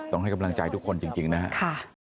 ต้องให้กำลังใจทุกคนจริงนะครับ